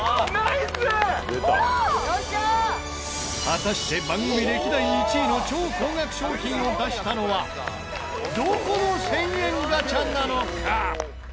果たして番組歴代１位の超高額商品を出したのはどこの１０００円ガチャなのか？